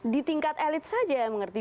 di tingkat elit saja mengerti